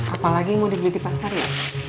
apalagi mau digigit pasar ya